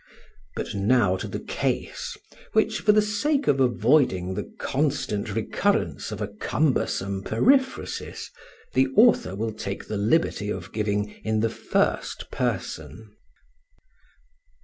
But now to the case, which, for the sake of avoiding the constant recurrence of a cumbersome periphrasis, the author will take the liberty of giving in the first person.